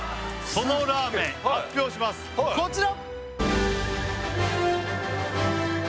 そのラーメン発表しますこちら！